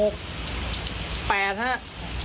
๘ครับ